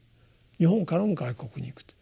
日本からも外国に行くと。